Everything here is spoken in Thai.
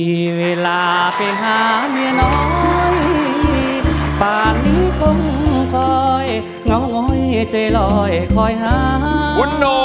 สวัสดีครับ